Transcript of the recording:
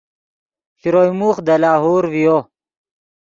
شروئے موخ دے لاہور ڤیو